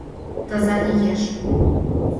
Таза лиеш.